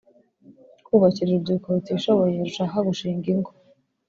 kubakira urubyiruko rutishoboye rushaka gushinga ingo